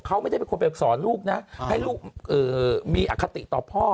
เขาไม่ได้เป็นคนไปสอนลูกนะให้ลูกมีอคติต่อพ่อ